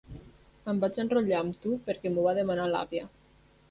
Em vaig enrotllar amb tu perquè m'ho va demanar l'àvia.